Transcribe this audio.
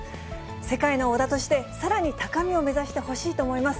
世界の小田として、さらに高みを目指してほしいと思います。